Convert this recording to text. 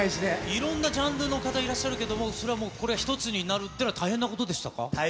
いろんなジャンルの方、いらっしゃるけども、それはもう、これは一つになるっていうのは、大変でした。